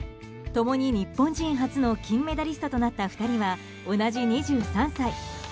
共に日本人初の金メダリストとなった２人は同じ２３歳。